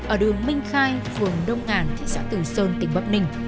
ở đường minh khai phường đông ngàn thị xã từ sơn tỉnh bậc ninh